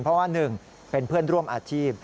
เพราะว่า๑เป็นเพื่อนร่วมอาชีพ